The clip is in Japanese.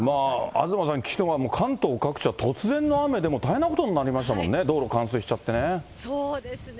東さん、きのうは関東各地は突然の雨で大変なことになりましたもんね、道そうですね。